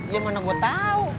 ya mana gue tau